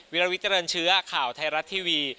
วิลวิเจริญเชื้อข่าวไทยรัฐทีวี